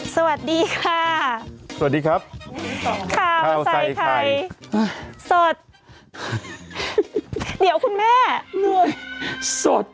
สวัสดีค่ะสวัสดีครับข้าวใส่ไข่สดเดี๋ยวคุณแม่รวยสด